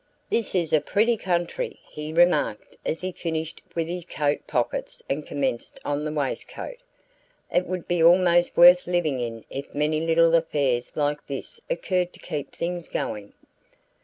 "This is a pretty country," he remarked as he finished with his coat pockets and commenced on the waistcoat. "It would be almost worth living in if many little affairs like this occurred to keep things going."